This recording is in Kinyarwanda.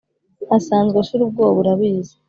Asanzwe ashira ubwoba urabizi